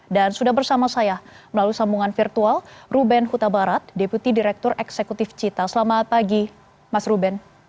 dan sudah bersama saya melalui sambungan virtual ruben huta barat deputi direktur eksekutif cita selamat pagi mas ruben